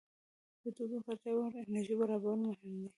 د تودوخې د اړتیا وړ انرژي برابرول مهم دي.